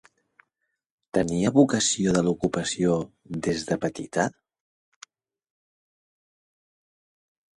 Tenia vocació de l'ocupació des de petita?